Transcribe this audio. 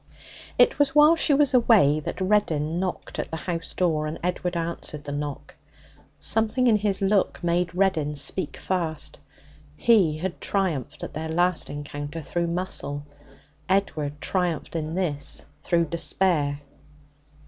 It was while she was away that Reddin knocked at the house door, and Edward answered the knock. Something in his look made Reddin speak fast. He had triumphed at their last encounter through muscle. Edward triumphed in this through despair.